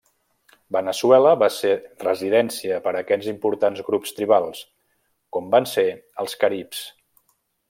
Veneçuela va ser residència per a aquests importants grups tribals, com van ser els caribs.